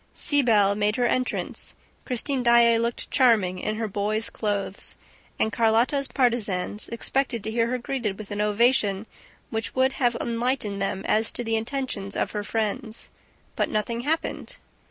Siebel made her entrance. Christine Daae looked charming in her boy's clothes; and Carlotta's partisans expected to hear her greeted with an ovation which would have enlightened them as to the intentions of her friends. But nothing happened.